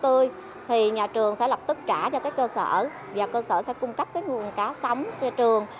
không tươi thì nhà trường sẽ lập tức trả cho các cơ sở và cơ sở sẽ cung cấp cái nguồn cá sống cho trường